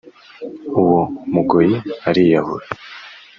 uwo mugoyi ariyahura